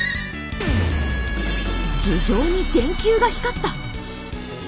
頭上に電球が光った！